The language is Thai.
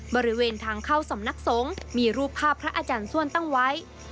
บริเวณทางเข้าสำนักสงฆ์มีรูปภาพพระอาจารย์ส้วนตั้งไว้